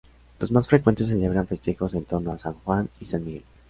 Las más frecuentes celebran festejos en torno a San Juan y San Miguel.